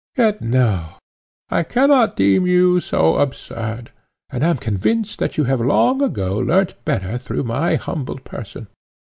Yet, no; I cannot deem you so absurd, and am convinced that you have long ago learnt better through my humble person.